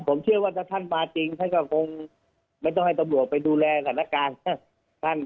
ผมเชื่อว่าถ้าท่านมาจริงท่านก็คงไม่ต้องให้ตำรวจไปดูแลสถานการณ์